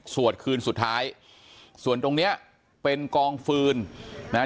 คืนสุดท้ายส่วนตรงเนี้ยเป็นกองฟืนนะฮะ